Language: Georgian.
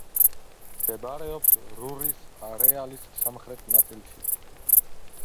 მდებარეობს რურის არეალის სამხრეთ ნაწილში.